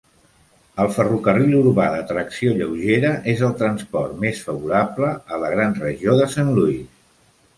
El ferrocarril urbà de tracció lleugera és el transport més favorable a la Gran Regió de Saint Louis.